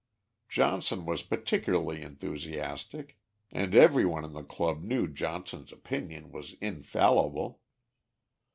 Johnson was particularly enthusiastic, and every one in the Club knew Johnson's opinion was infallible.